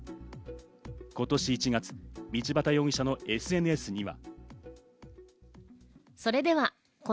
今年１月、道端容疑者のＳＮＳには。